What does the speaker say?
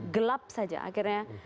gelap saja akhirnya